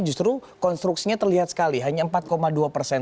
justru konstruksinya terlihat sekali hanya empat dua persen